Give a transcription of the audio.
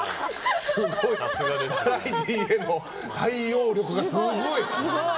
バラエティーへの対応力がすごい。